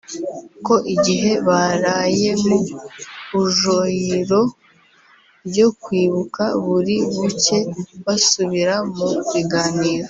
ko igihe baraye mu ujoiro ryo kwibuka buri buke basubira mu biganiro